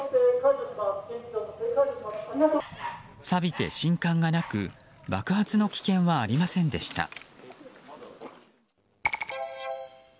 さびて信管がなく爆発の危険はありませんでした。